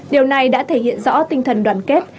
điều này đã thể hiện rõ tinh thần đoàn kết